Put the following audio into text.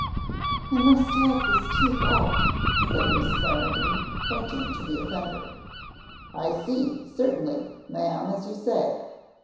"I must have this tooth out," said Miss Clarendon, pointing to the offender. "I see; certainly, ma'am, as you say."